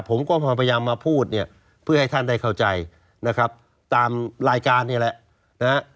ผมก็พยายามมาพูดเพื่อให้ท่านได้เข้าใจนะครับตามรายการนี้แหละ